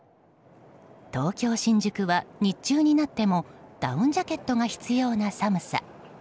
東京・新宿は日中になってもダウンジャケットが必要な寒さ。